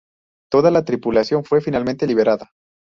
Toda la tripulación fue finalmente liberada.